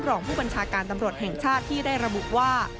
รองผู้บัญชาการตำรวจแห่งชาติที่ได้ระบุว่า